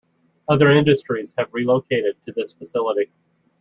Other industries have relocated to this facility.